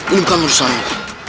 ini bukan urusan lu